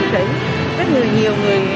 rất là nhiều người